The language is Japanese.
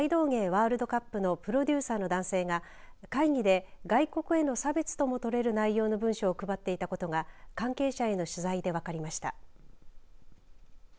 ワールドカップのプロデューサーの男性が会議で外国への差別ともとれる内容の文書を配っていたことが関係者への取材で分かりました。